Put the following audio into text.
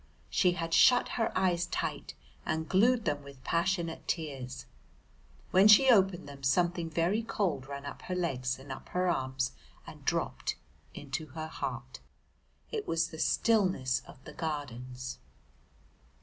She had shut her eyes tight and glued them with passionate tears. When she opened them something very cold ran up her legs and up her arms and dropped into her heart. It was the stillness of the Gardens.